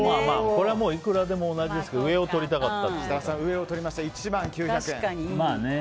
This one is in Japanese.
これはいくらでも同じですけど設楽さん、上をとって１万９００円。